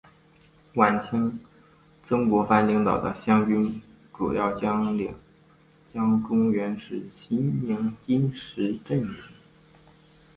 晚清曾国藩领导的湘军重要将领江忠源是新宁金石镇人。